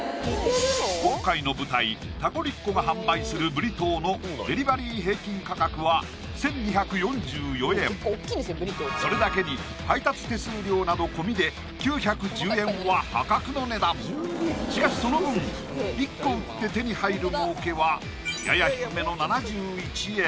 今回の舞台・タコリッコが販売するブリトーのそれだけに配達手数料など込みで９１０円は破格の値段しかしその分１個売って手に入る儲けはやや低めの７１円